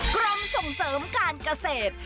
กรมส่งเสริมการเกษตร